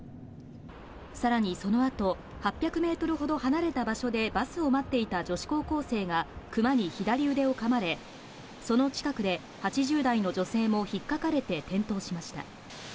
さらにその後、８００ｍほど離れた場所でバスを待っていた女子高校生がクマに左腕を噛まれ、その近くで８０代の女性も引っかかれて転倒しました。